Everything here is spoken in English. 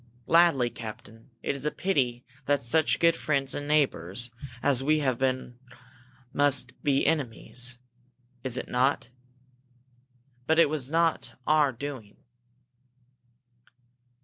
"Gladly, captain. It is a pity that such good friends and neighbors as we have all been must be enemies, is it not? But it was not our doing."